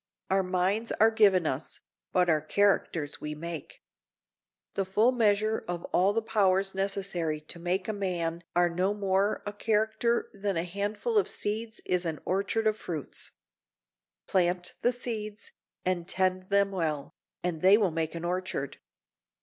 Our minds are given us, but our characters we make. The full measure of all the powers necessary to make a man are no more a character than a handful of seeds is an orchard of fruits. Plant the seeds, and tend them well, and they will make an orchard.